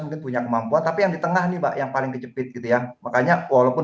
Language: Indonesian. mungkin punya kemampuan tapi yang di tengah nih mbak yang paling kejepit gitu ya makanya walaupun